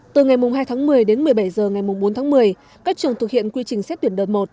từ ngày hai tháng một mươi đến một mươi bảy h ngày bốn tháng một mươi các trường thực hiện quy trình xét tuyển đợt một